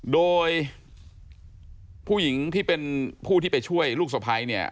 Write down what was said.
โดยผู้หญิงที่เป็นผู้ที่ไปช่วยลูกสะพ้ายเนี่ย